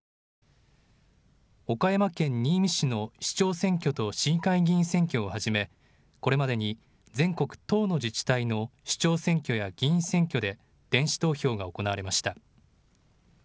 岡山県新見市の市長選挙と市議会議員選挙をはじめ、これまでに全国１０の自治体の首長選挙や議員選挙で電子投票が行われました。